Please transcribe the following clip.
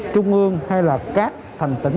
trung ương hay là các tỉnh